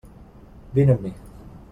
Vine amb mi.